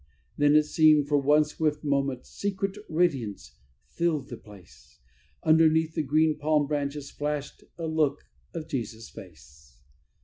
Then it seemed, for one swift moment, secret radiance filled the place; Underneath the green palm branches flashed a look of Jesus' face.